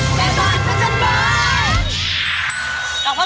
ไม่มาชาติเจ็นไป